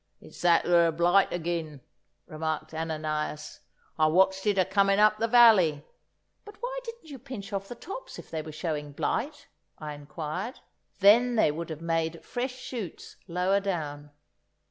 "It's that thur blight agin," remarked Ananias; "I watched it a comin' up the valley." "But why didn't you pinch off the tops, if they were showing blight?" I inquired; "then they would have made fresh shoots lower down."